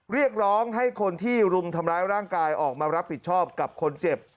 เรียกร้องให้คนที่รุมทำร้ายร่างกายออกมารับผิดชอบกับคนเจ็บ